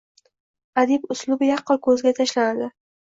adib uslubi yaqqol ko‘zga tashlanadi.